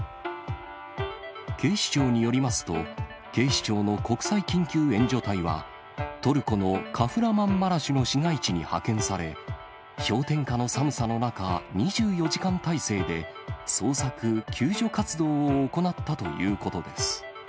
警視庁によりますと、警視庁の国際緊急援助隊は、トルコのカフラマンマラシュの市街地に派遣され、氷点下の寒さの中、２４時間態勢で捜索・救助活動を行ったということです。